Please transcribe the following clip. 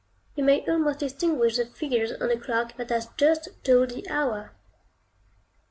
You may almost distinguish the figures on the clock that has just told the hour.